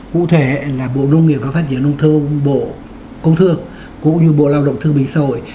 cụ thể là bộ nông nghiệp và phát triển nông thông bộ công thương cũng như bộ lao động thư bình sội